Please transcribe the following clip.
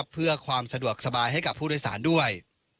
เพื่อความสะดวกสบายให้กับผู้โดยสารด้วย